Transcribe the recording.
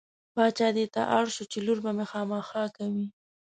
باچا دې ته اړ شو چې لور به مې خامخا کوې.